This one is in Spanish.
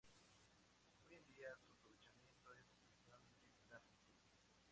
Hoy día su aprovechamiento es exclusivamente cárnico.